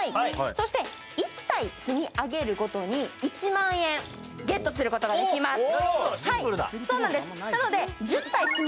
そして１体積み上げるごとに１万円ゲットすることができます。